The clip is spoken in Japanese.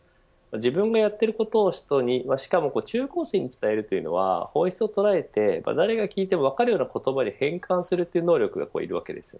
自分がやっていることを、人にしかも中高生に伝えるというのは本質を捉えて誰が聞いても分かるような言葉に変換する能力がいるわけです。